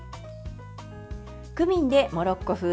クミンでモロッコ風！